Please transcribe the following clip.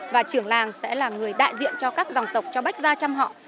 và trưởng làng sẽ là người đại diện cho các dòng tộc cho bách gia chăm họ